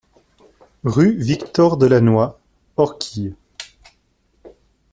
Rue Victor Delannoy, Orchies